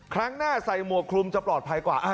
ครั้งหน้าใส่หมวกคลุมจะปลอดภัยกว่า